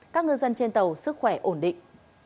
các ngư dân trên tàu sức khỏe ổn định